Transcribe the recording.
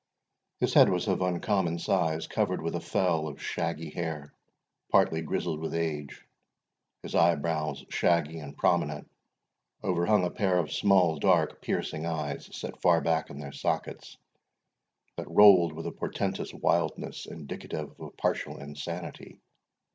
His head was of uncommon size, covered with a fell of shaggy hair, partly grizzled with age; his eyebrows, shaggy and prominent, overhung a pair of small dark, piercing eyes, set far back in their sockets, that rolled with a portentous wildness, indicative of a partial insanity.